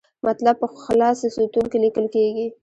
مطلب په خلص ستون کې لیکل کیږي.